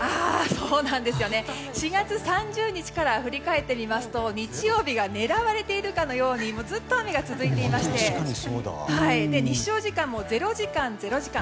４月３０日から振り返ってみますと日曜日が狙われているかのようにずっと雨が続いていまして日照時間も０時間、０時間。